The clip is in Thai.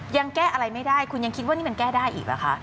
ยังแก้อะไรไม่ได้คุณยังคิดว่านี่มันแก้ได้อีกหรือคะ